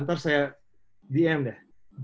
ntar saya dm deh